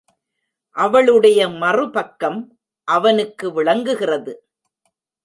அவளுடைய மறுபக்கம் அவனுக்கு விளங்குகிறது.